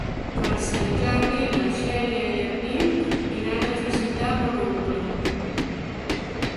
Per Sant Jordi na Xènia i en Nil iran a visitar mon oncle.